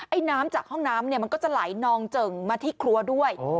น้ำจากห้องน้ำเนี่ยมันก็จะไหลนองเจิ่งมาที่ครัวด้วย